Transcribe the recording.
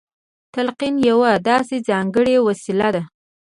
تلقين يوه داسې ځانګړې وسيله ده.